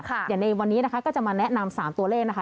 อย่างในวันนี้ก็จะมาแนะนำ๓ตัวเลข